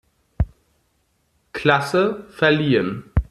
Klasse" verliehen.